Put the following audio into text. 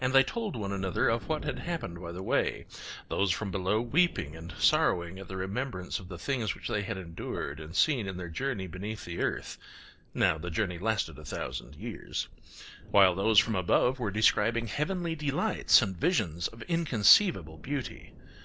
And they told one another of what had happened by the way, those from below weeping and sorrowing at the remembrance of the things which they had endured and seen in their journey beneath the earth (now the journey lasted a thousand years), while those from above were describing heavenly delights and visions of inconceivable beauty.